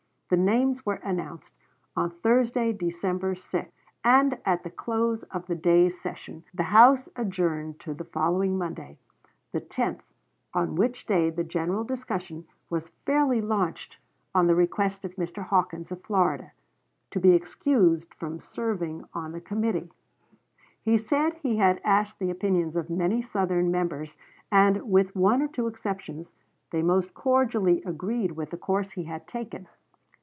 The names were announced on Thursday, December 6; and at the close of the day's session the House adjourned to the following Monday, the 10th, on which day the general discussion was fairly launched on the request of Mr. Hawkins, of Florida, to be excused from serving on the committee. He said he had asked the opinions of many Southern Members, and, with one or two exceptions, they most cordially agreed with the course he had taken.